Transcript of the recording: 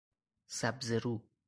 سبزه رو